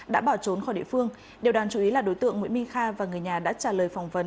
đã bỏ trốn khỏi địa phương điều đáng chú ý là đối tượng nguyễn minh kha và người nhà đã trả lời phỏng vấn